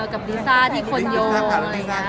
กับดีซ่าที่คลงโดน